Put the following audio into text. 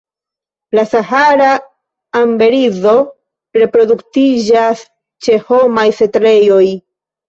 La Sahara emberizo reproduktiĝas ĉe homaj setlejoj.